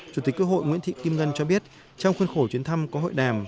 chủ tịch quốc hội nguyễn thị kim ngân cho biết trong khuôn khổ chuyến thăm có hội đàm